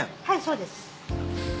はいそうです。